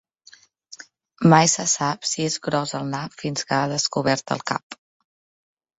Mai se sap si és gros el nap fins que ha descobert el cap.